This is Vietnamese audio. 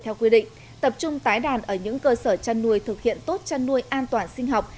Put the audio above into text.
theo quy định tập trung tái đàn ở những cơ sở chăn nuôi thực hiện tốt chăn nuôi an toàn sinh học